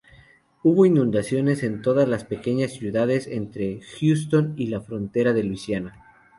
Hubo inundaciones en todas las pequeñas ciudades entre Houston y la frontera de Luisiana.